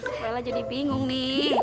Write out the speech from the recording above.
mpo ella jadi bingung nih